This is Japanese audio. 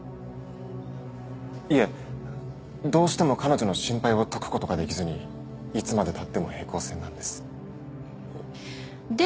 いえ。どうしても彼女の心配を解く事ができずにいつまで経っても平行線なんです。